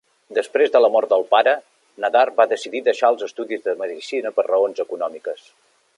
Després de la mort del pare, Nadar va decidir deixar els estudis de medicina per raons econòmiques.